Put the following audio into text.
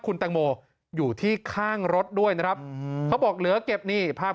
คุณแตงโมอยู่ที่ข้างรถด้วยนะครับเขาบอกเหลือเก็บนี่ภาพ